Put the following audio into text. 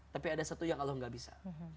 tapi ada satu yang allah gak bisa